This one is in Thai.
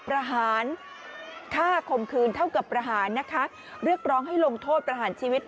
ครับคมคืนเท่ากับประหารเรียกรองให้ลงโทษประหารชีวิต